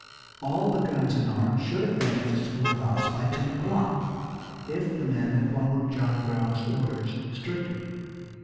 All the guns and arms should have been at the schoolhouse by ten o'clock, if the men had followed John Brown's orders strictly.